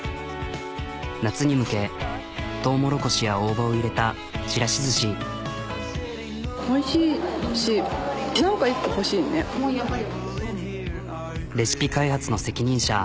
夏に向けトウモロコシや大葉を入れたレシピ開発の責任者